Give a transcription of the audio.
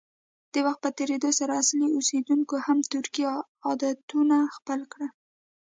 د وخت په تېرېدو سره اصلي اوسیدونکو هم ترکي عادتونه خپل کړل.